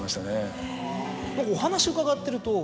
お話伺ってると。